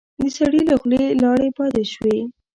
د سړي له خولې لاړې باد شوې.